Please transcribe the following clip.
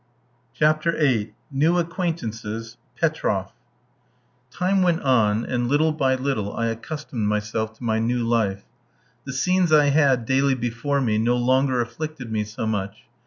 CHAPTER VIII. NEW ACQUAINTANCES PETROFF Time went on, and little by little I accustomed myself to my new life. The scenes I had daily before me no longer afflicted me so much.